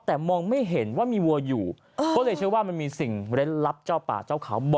แต่มองไม่เห็นว่ามีวัวอยู่ก็เลยเชื่อว่ามันมีสิ่งเล่นลับเจ้าป่าเจ้าเขา